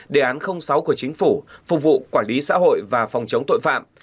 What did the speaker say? đề án sáu của chính phủ phục vụ quản lý xã hội và phòng chống tội phạm